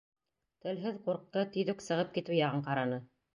Телһеҙ ҡурҡты, тиҙ үк сығып китеү яғын ҡараны.